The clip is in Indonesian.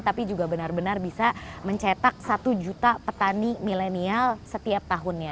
tapi juga benar benar bisa mencetak satu juta petani milenial setiap tahunnya